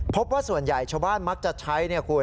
พบว่าส่วนใหญ่ชาวบ้านมักจะใช้